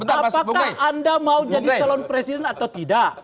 apakah anda mau jadi calon presiden atau tidak